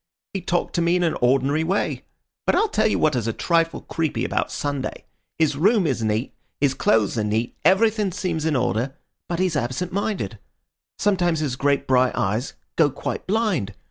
He talked to me in an ordinary way. But I'll tell you what is a trifle creepy about Sunday. His room is neat, his clothes are neat, everything seems in order; but he's absent minded. Sometimes his great bright eyes go quite blind.